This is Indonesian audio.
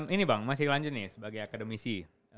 ini bang masih lanjut nih sebagai akademisi